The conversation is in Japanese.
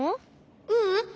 ううん。